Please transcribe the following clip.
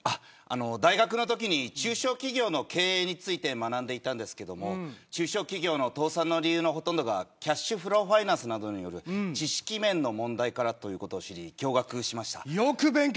大学のときに中小企業の経営について学んでいたんですけど中小企業の倒産の理由のほとんどがキャッシュフローファイナンスなどによる知識面の問題からと知り驚愕しました。